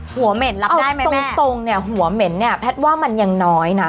เหม็นรับได้ไหมตรงตรงเนี่ยหัวเหม็นเนี่ยแพทย์ว่ามันยังน้อยนะ